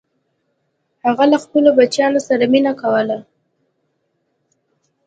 هغه له خپلو بچیانو سره مینه کوله.